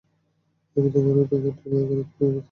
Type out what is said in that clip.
আমি তোমার নিকট দুনিয়া ও আখিরাতে নিরাময়তা প্রার্থনা করছি।